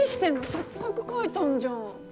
せっかく書いたんじゃん。